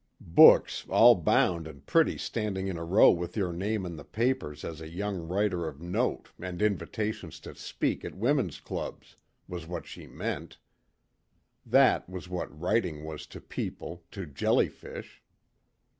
Books all bound and pretty standing in a row with your name in the papers as a young writer of note and invitations to speak at women's clubs was what she meant. That was what writing was to people, to jellyfish.